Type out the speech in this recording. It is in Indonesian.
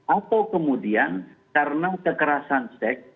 atau kemudian karena kekerasan seks